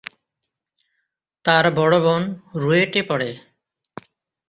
তার বড় বোন রুয়েটে পড়ে।